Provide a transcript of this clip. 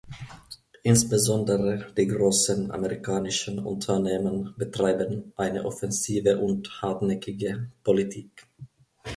Insbesondere die großen amerikanischen Unternehmen betreiben eine offensive und hartnäckige Politik.